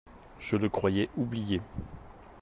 Je le croyais oublié.